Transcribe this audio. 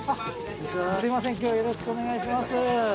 すいません今日はよろしくお願いします。